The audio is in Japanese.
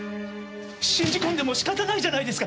信じ込んでも仕方ないじゃないですか。